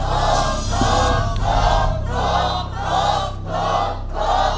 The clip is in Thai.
ถูก